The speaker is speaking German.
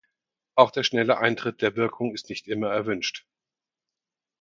Auch der schnelle Eintritt der Wirkung ist nicht immer erwünscht.